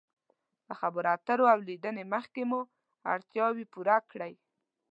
له خبرو اترو او لیدنې مخکې مو اړتیا پوره کړئ.